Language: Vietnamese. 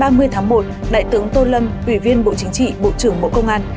ngày ba mươi tháng một đại tướng tô lâm ủy viên bộ chính trị bộ trưởng bộ công an